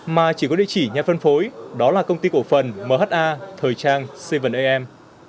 mà chỉ có địa chỉ nhà phân phối đó là công ty cổ phần mha thời trang seven am